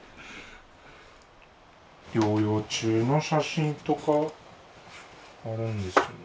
療養中の写真とかあるんですよね。